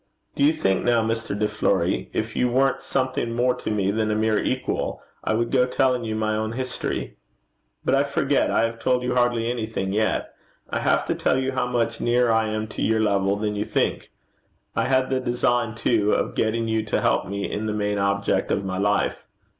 'Do you think now, Mr. De Fleuri, if you weren't something more to me than a mere equal, I would go telling you my own history? But I forgot: I have told you hardly anything yet. I have to tell you how much nearer I am to your level than you think. I had the design too of getting you to help me in the main object of my life.